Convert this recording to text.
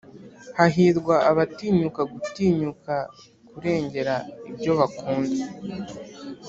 hahirwa abatinyuka gutinyuka kurengera ibyo bakunda.